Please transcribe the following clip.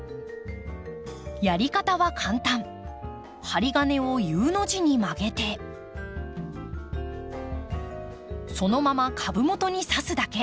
針金をＵの字に曲げてそのまま株元に刺すだけ。